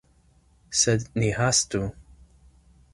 Sed ni hastu.